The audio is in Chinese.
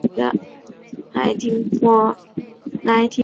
公子阳生回国即位就是齐悼公。